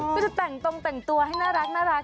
ก็จะแต่งตรงแต่งตัวให้น่ารัก